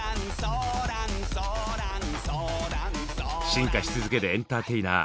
進化し続けるエンターテイナー